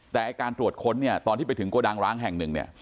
แต่การตรวจค้นเนี่ยตอนที่ไปถึงโกดังร้างแห่งหนึ่งเนี่ย